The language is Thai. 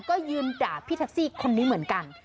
ก็ยืนด่าพี่แท็กซี่คนนี้เหมือนกัน